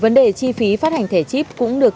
vấn đề chi phí phát hành thẻ chip cũng được